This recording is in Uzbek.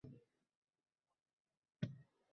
Hech bo`lmasa, shu bola yashasin